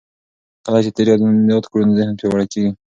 کله چې تېر یاد کړو ذهن پیاوړی کېږي.